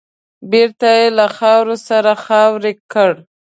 بېرته يې له خاورو سره خاورې کړ .